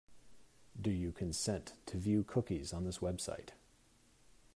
Do you consent to view cookies on this website?